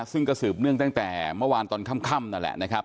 ซึ่งก็สืบเนื่องตั้งแต่เมื่อวานตอนค่ำนั่นแหละนะครับ